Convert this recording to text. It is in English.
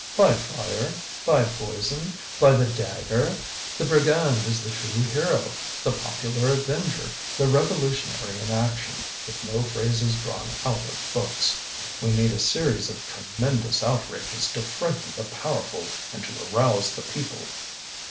"By fire, by poison, by the dagger. The brigand is the true hero, the popular avenger, the revolutionary in action, with no phrases drawn out of books. We need a series of tremendous outrages to frighten the powerful and to arouse the people."